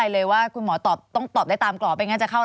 สวัสดีค่ะ